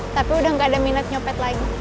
tapi udah nggak ada minat nyopet lain